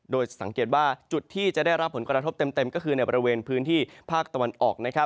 โดยสังเกตว่าจุดที่จะได้รับผลกระทบเต็มก็คือในบริเวณพื้นที่ภาคตะวันออก